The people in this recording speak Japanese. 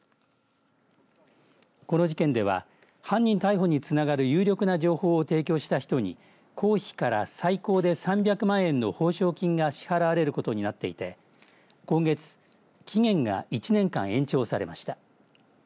この事件では犯人逮捕につながる有力な情報を提供した人に公費から最高で３００万円の報奨金が支払われることになっていて今月、期限が１年間、延長されました。